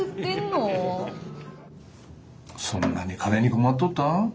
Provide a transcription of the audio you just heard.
そんなに金に困っとった？